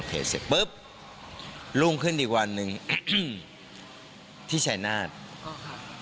เสร็จปุ๊บรุ่งขึ้นอีกวันหนึ่งอืมที่ชายนาฏอ๋อค่ะ